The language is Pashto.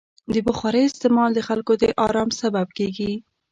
د بخارۍ استعمال د خلکو د ارام سبب کېږي.